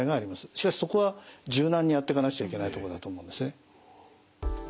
しかしそこは柔軟にやっていかなくちゃいけないとこだと思いますね。